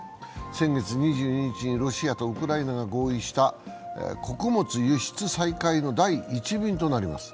先月２２日にロシアとウクライナが合意した穀物輸出再開の第１便となります。